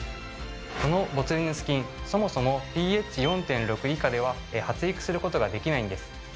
このボツリヌス菌そもそもｐＨ４．６以下では発育することができないんです。